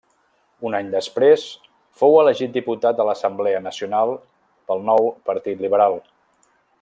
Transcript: Un any després fou elegit diputat a l'Assemblea Nacional pel nou Partit Liberal.